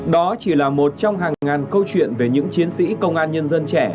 đó chỉ là một trong hàng ngàn câu chuyện về những chiến sĩ công an nhân dân trẻ